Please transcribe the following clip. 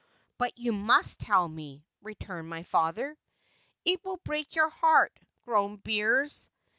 "But you must tell me," returned my father. "It will break your heart," groaned Beers.